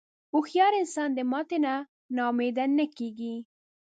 هوښیار انسان د ماتې نه نا امیده نه کېږي.